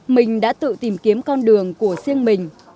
mình đã tự tìm kiếm con đường của riêng mình